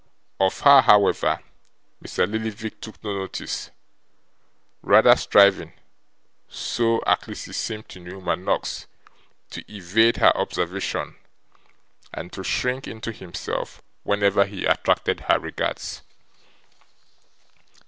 Of her, however, Mr. Lillyvick took no notice: rather striving (so, at least, it seemed to Newman Noggs) to evade her observation, and to shrink into himself whenever he attracted her regards.